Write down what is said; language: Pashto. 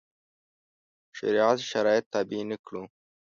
شریعت شرایط تابع نه کړو.